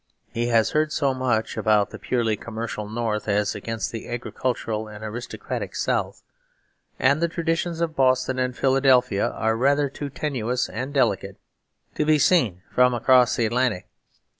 He has heard so much about the purely commercial North as against the agricultural and aristocratic South, and the traditions of Boston and Philadelphia are rather too tenuous and delicate to be seen from across the Atlantic.